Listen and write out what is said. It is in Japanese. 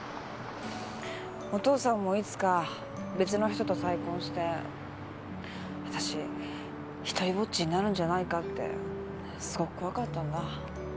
お父さんもいつか別の人と再婚してわたし独りぼっちになるんじゃないかってすごく怖かったんだ。